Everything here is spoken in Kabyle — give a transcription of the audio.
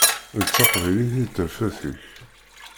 D taqbaylit i d tafat-ik.